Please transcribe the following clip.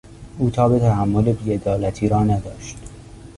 او تاب تحمل بی عدالتی را نداشت.